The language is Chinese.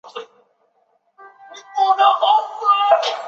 找她去吃点东西